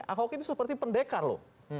akauk itu seperti pendekar loh